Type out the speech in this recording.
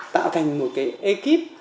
tạo thành một cái ekip